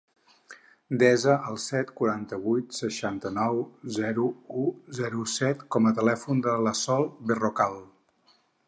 Desa el set, quaranta-vuit, seixanta-nou, zero, u, zero, set com a telèfon de la Sol Berrocal.